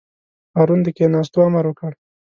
هارون د کېناستو امر وکړ.